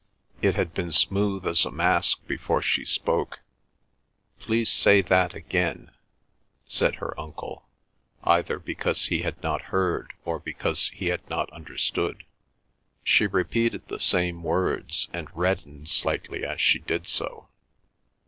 It had been smooth as a mask before she spoke. "Please say that again," said her uncle, either because he had not heard or because he had not understood. She repeated the same words and reddened slightly as she did so.